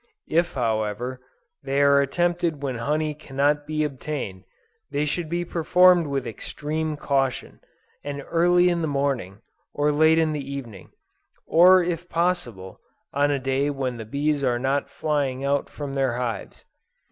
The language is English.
If however, they are attempted when honey cannot be obtained, they should be performed with extreme caution, and early in the morning, or late in the evening; or if possible, on a day when the bees are not flying out from their hives.